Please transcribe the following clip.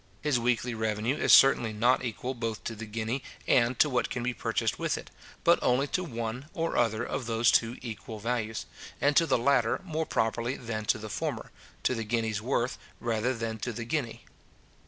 His weekly revenue is certainly not equal both to the guinea and to what can be purchased with it, but only to one or other of those two equal values, and to the latter more properly than to the former, to the guinea's worth rather than to the guinea.